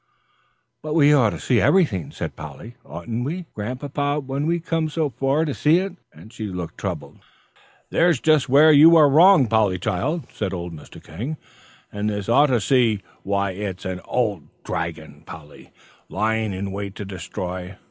"But we ought to see everything," said Polly, "oughtn't we, Grandpapa, when we've come so far to see it?" and she looked troubled. "There's just where you are wrong, Polly, child," said old Mr. King. "And this 'ought to see,' why, it's an old dragon, Polly, lying in wait to destroy.